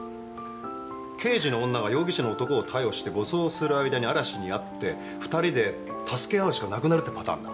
刑事の女が容疑者の男を逮捕して護送する間に嵐に遭って２人で助け合うしかなくなるってパターンだ。